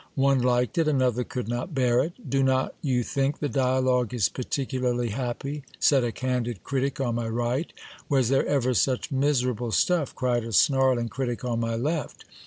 One liked it, another could not bear it. Do not you think the dialogue is particularly happy? said a candid critic on my right : Was there ever such miserable stuff! cried a snarling critic on my left.